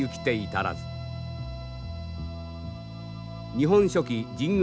「日本書紀」神功